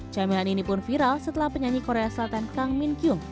camilan ini pun viral setelah penyanyi korea selatan kang min kyung